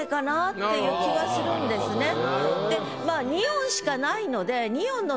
２音しかないので。